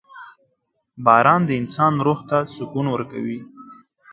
• باران د انسان روح ته سکون ورکوي.